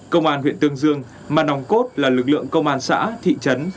công an huyện tương dương mà nòng cốt là lực lượng công an xã thị trấn